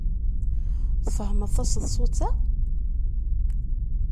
Tfehmeḍ taseḍsut-a?